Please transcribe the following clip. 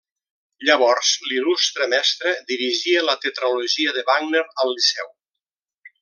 Llavors l'il·lustre mestre dirigia la tetralogia de Wagner al Liceu.